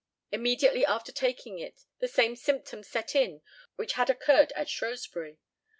Immediately after taking it the same symptoms set in which had occurred at Shrewsbury.